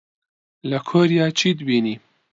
لە کۆریا چیت بینی؟